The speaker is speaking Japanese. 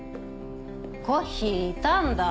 コッヒーいたんだ。